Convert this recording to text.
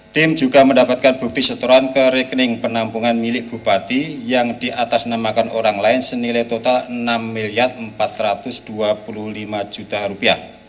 tim juga mendapatkan bukti setoran ke rekening penampungan milik bupati yang diatasnamakan orang lain senilai total rp enam empat ratus dua puluh lima